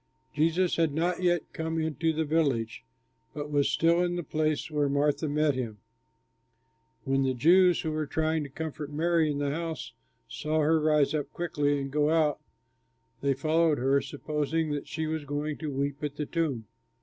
Jesus had not yet come into the village but was still in the place where Martha met him. When the Jews who were trying to comfort Mary in the house saw her rise up quickly and go out, they followed her, supposing that she was going to weep at the tomb.